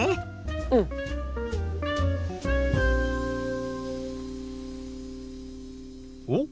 うん！おっ？